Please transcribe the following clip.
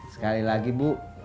sekali lagi bu